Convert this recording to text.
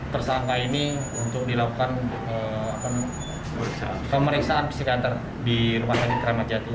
tersangka ini untuk dilakukan pemeriksaan psikiatra di rumah sakit keramacati